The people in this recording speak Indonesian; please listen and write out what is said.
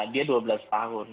dia dua belas tahun